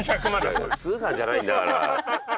通販じゃないんだから。